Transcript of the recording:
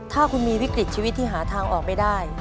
ถ้าคุณมีวิกฤตชีวิตที่หาทางออกไม่ได้